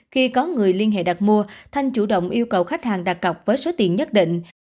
khi có người liên hệ đặt mua thanh chủ động yêu cầu khách hàng đặt cọc với số tiền nhất định